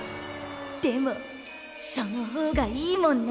でもそのほうがいいもんね。